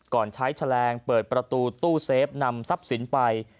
ใช้แฉลงเปิดประตูตู้เซฟนำทรัพย์สินไป